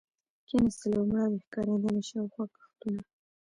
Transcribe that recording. کېناستلې او مړاوې ښکارېدلې، شاوخوا کښتونه.